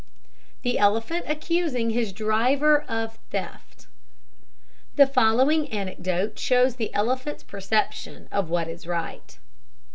THE ELEPHANT ACCUSING HIS DRIVER OF THEFT. The following anecdote shows the elephant's perception of what is right.